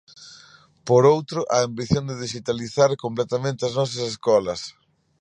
Por outro, a ambición de dixitalizar completamente as nosas escolas.